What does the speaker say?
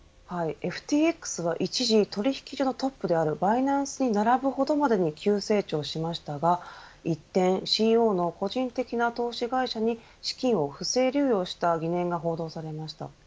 ＦＴＸは一時、取引所のトップであるバイナンスに並ぶほどまでに急成長しましたが一転、ＣＥＯの個人的な投資会社に資金を不正流用した疑念が報道されました。